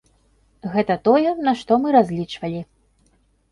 Гэта тое, на што мы разлічвалі.